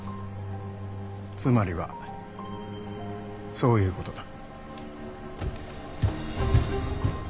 つまりはそういうことだ。